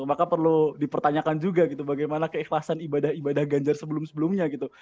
maka perlu dipertanyakan juga gitu bagaimana keikhlasan ibadah ibadah ganjar sebelum sebelumnya gitu